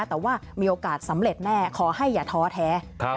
แต่ว่ามีโอกาสสำเร็จแน่ขอให้อย่าท้อแท้